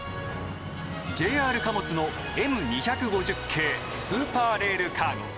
ＪＲ貨物のＭ２５０系スーパーレールカーゴ。